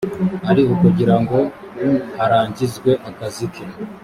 ari ukugira ngo harangizwe akazi ke